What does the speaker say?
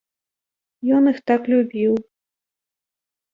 Ён іх так любіў.